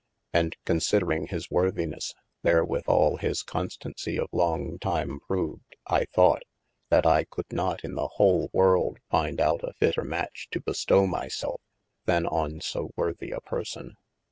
And considering his worthines, ther withall his constancie of long time proved, I though[t] that I could not in the whole world find out a fitter match to bestowe my selfe, than one so worthy a person.